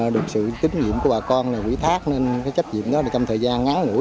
được sự tín nhiệm của bà con là quỹ thác nên cái trách nhiệm đó là trong thời gian ngắn ngũi